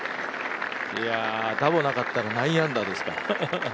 ダボなかったら９アンダーですか。